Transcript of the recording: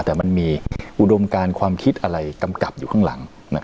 แต่มันมีอุดมการความคิดอะไรกำกับอยู่ข้างหลัง